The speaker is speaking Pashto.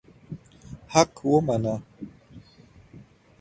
حق ومنه.